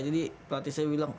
jadi pelatih saya bilang